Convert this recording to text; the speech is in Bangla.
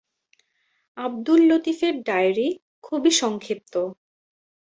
আবদুল লতীফের ডায়েরি খুবই সংক্ষিপ্ত।